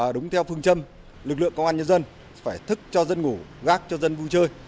đúng theo phương châm lực lượng công an nhân dân phải thức cho dân ngủ gác cho dân vui chơi